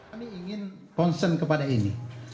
kami ingin konsen kepada ini